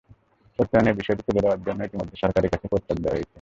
সত্যায়নের বিষয়টি তুলে দেওয়ার জন্য ইতিমধ্যে সরকারের কাছে প্রস্তাব দেওয়া হয়েছে।